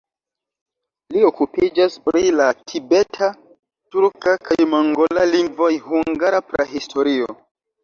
Li okupiĝas pri la tibeta, turka kaj mongola lingvoj, hungara prahistorio.